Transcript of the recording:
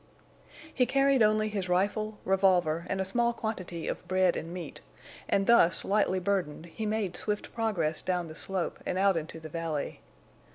He carried only his rifle, revolver, and a small quantity of bread and meat, and thus lightly burdened, he made swift progress down the slope and out into the valley.